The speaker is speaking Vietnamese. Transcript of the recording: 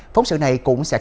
phóng sự này cũng sẽ khép lại